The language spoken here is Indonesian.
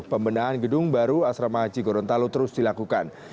pembenahan gedung baru asrama haji gorontalo terus dilakukan